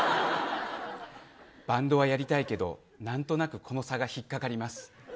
バンドは、やりたいけど何となくこの差が引っ掛かります。